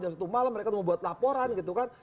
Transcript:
jam satu malam mereka mau buat laporan gitu kan